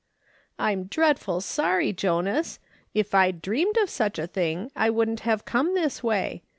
" I'm dreadful sorry, Jonas. If I'd dreamed of such a thing, I wouldn't have come this way.